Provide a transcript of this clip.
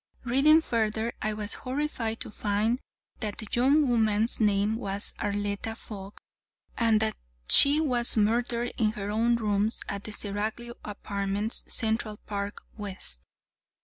Reading further, I was horrified to find that the young woman's name was Arletta Fogg, and that she was murdered in her own rooms, at the Seraglio Apartments, Central Park West.